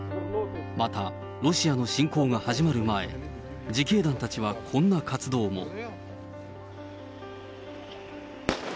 また、ロシアの侵攻が始まる前、自警団たちはこんな活動も。